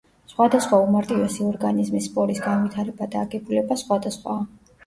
სხვადასხვა უმარტივესი ორგანიზმის სპორის განვითარება და აგებულება სხვადასხვაა.